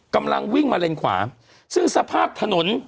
กำลังวิ่งมาเลนขวาซึ่งสภาพถนน